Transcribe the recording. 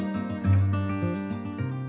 keindahan serta medianya